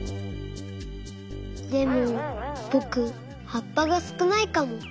でもぼくはっぱがすくないかも。